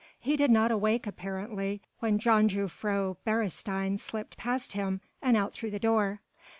He did not wake apparently when Jongejuffrouw Beresteyn slipped past him and out through the door.